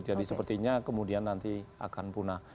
jadi sepertinya kemudian nanti akan punah